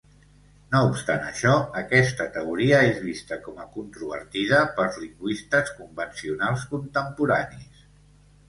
No obstant això, aquesta teoria és vista com a controvertida pels lingüistes convencionals contemporanis.